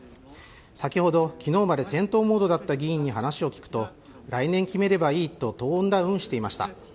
先ほど、昨日まで戦闘モードだった議員に話を聞くと、来年決めればいいとトーンダウンしていました。